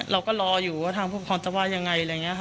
เราก็รออยู่ทางผู้ค้นจะว่า